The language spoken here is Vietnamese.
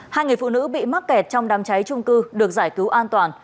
hai người phụ nữ bị mắc kẹt trong đám cháy trung cư được giải cứu an toàn